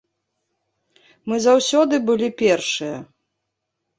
Мы заўсёды былі першыя.